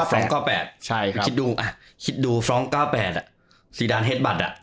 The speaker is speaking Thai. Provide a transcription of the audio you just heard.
ฟรองค์๙๘คิดดูฟรองค์๙๘สีดานเฮ็ดบัตร